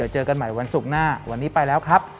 เจอกันใหม่วันศุกร์หน้าวันนี้ไปแล้วครับ